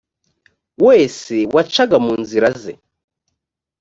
wese wacaga mu nzira ze